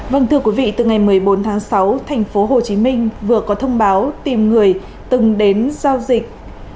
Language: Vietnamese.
vâng thưa quý vị từ ngày một mươi bốn tháng sáu tp hcm vừa có thông báo tìm người từng đến giao dịch